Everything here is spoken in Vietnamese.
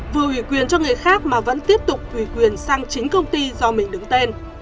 vừa ủy quyền cho người khác mà vẫn tiếp tục ủy quyền sang chính công ty do mình đứng tên